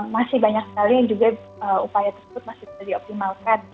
masih banyak sekali yang juga upaya tersebut masih bisa dioptimalkan